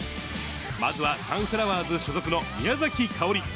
まずはサンフラワーズ所属の宮崎早織。